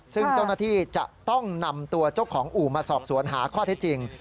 ซึ่งเจ้าหน้าที่จะต้องนำตัวเจ้าของอู่มาสอบสวนหาข้อเท็จจริง